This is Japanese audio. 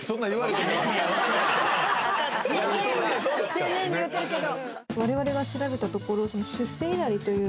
丁寧に言うてるけど。